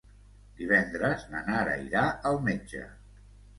Divendres na Nara irà al metge.